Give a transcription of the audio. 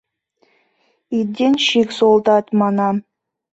И денщик солдат, манам!